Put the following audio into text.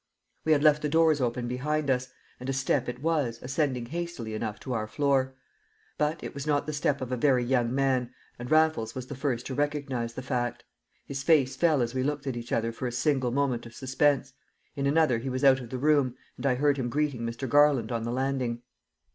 We had left the doors open behind us, and a step it was, ascending hastily enough to our floor. But it was not the step of a very young man, and Raffles was the first to recognise the fact; his face fell as we looked at each other for a single moment of suspense; in another he was out of the room, and I heard him greeting Mr. Garland on the landing.